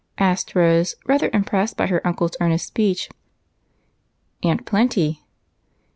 asked Rose, rather impressed by her uncle's earnest speech. " Aunt Plenty."